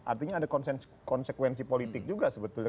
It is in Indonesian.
artinya ada konsekuensi politik juga sebetulnya